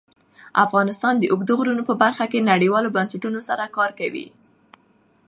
افغانستان د اوږده غرونه په برخه کې نړیوالو بنسټونو سره کار کوي.